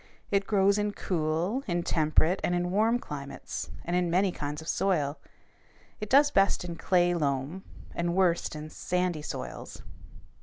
It grows in cool, in temperate, and in warm climates, and in many kinds of soil. It does best in clay loam, and worst in sandy soils.